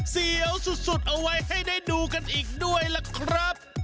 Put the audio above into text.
เสียวสุดเอาไว้ให้ได้ดูกันอีกด้วยล่ะครับ